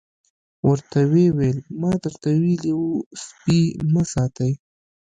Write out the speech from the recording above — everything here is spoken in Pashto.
ورته ویې ویل ما درته ویلي وو سپي مه ساتئ.